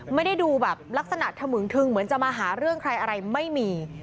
ไม่ได้ดูแบบลักษณะถมึงทึงเหมือนจะมาหาเรื่องใครอะไรไม่มี